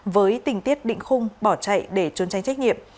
với tình tiết định khung bỏ chạy để trốn tránh trách nhiệm